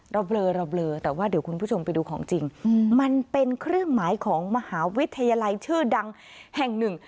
เบลอเราเบลอแต่ว่าเดี๋ยวคุณผู้ชมไปดูของจริงมันเป็นเครื่องหมายของมหาวิทยาลัยชื่อดังแห่งหนึ่ง